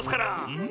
うん！